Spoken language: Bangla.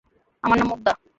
আমার নাম মুগ্ধা!